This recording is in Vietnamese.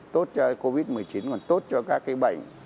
tốt covid một mươi chín còn tốt cho các cái bệnh